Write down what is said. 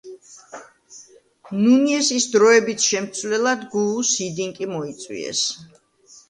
ნუნიესის დროებით შემცვლელად გუუს ჰიდინკი მოიწვიეს.